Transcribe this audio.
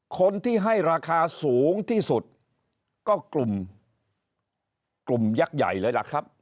คนที่ให้ราคาสูงที่สุดก็กลุ่มยักษ์ใหญ่เลยล่ะครับ